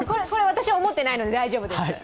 これ私、思ってないので大丈夫です。